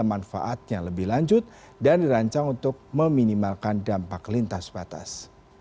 manfaatnya lebih lanjut dan dirancang untuk meminimalkan dampak lintas batas